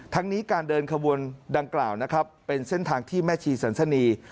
ทั้งนี้การเดินขบวนดังกล่าวนะครับเป็นเส้นทางที่แม่ชีสันสนี